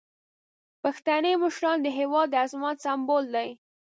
پښتني مشران د هیواد د عظمت سمبول دي.